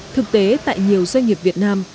thực tế tại nhiều doanh nghiệp việt nam